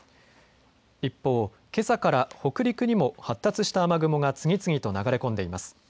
一方、けさから北陸にも発達した雨雲が次々と流れ込んでいます。